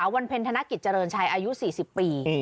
วันเพ็ญธนกิจเจริญชัยอายุ๔๐ปี